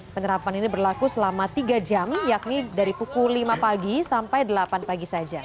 penerapan ini berlaku selama tiga jam yakni dari pukul lima pagi sampai delapan pagi saja